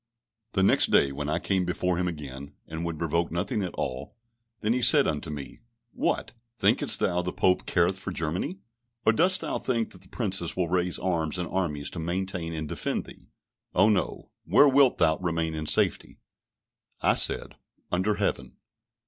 The next day, when I came before him again, and would revoke nothing at all, then he said unto me, "What? thinkest thou that the Pope careth for Germany? or dost thou think that the Princes will raise arms and armies to maintain and defend thee? Oh, no; where wilt thou remain in safety?" I said, Under Heaven.